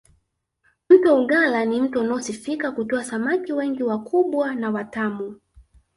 mto ugala ni mto unaosifika kutoa samaki wengi wakubwa na watamu